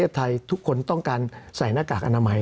สำหรับกำลังการผลิตหน้ากากอนามัย